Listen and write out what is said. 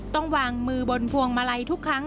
ต้องวางมือบนพวงมาลัยทุกครั้ง